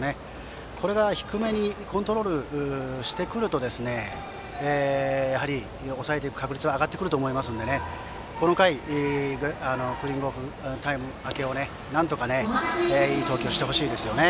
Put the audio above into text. これが低めにコントロールしてくると抑えていける確率は上がってくると思いますのでこの回、クーリングタイム明けをなんとかいい投球をしてほしいですね。